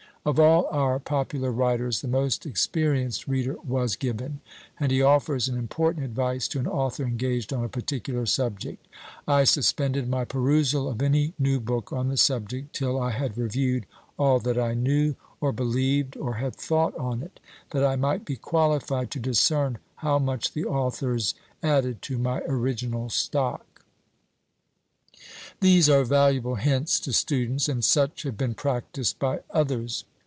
Of all our popular writers the most experienced reader was Gibbon, and he offers an important advice to an author engaged on a particular subject: "I suspended my perusal of any new book on the subject till I had reviewed all that I knew, or believed, or had thought on it, that I might be qualified to discern how much the authors added to my original stock." These are valuable hints to students, and such have been practised by others.